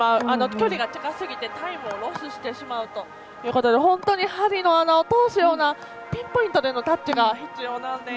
距離が近すぎてタイムをロスしてしまうということで本当に針の穴を通すようなピンポイントでのタッチが必要なんです。